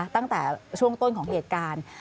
ตั้งแต่ช่วงต้นของเหตุการณ์